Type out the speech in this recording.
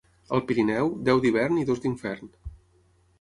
Al Pirineu, deu d'hivern i dos d'infern.